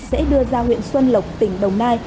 sẽ đưa ra huyện xuân lộc tỉnh đồng nai